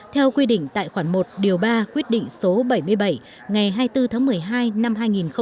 theo quy định tại khoản một điều ba quyết định số bảy mươi bảy ngày hai mươi bốn tháng một mươi hai năm hai nghìn một mươi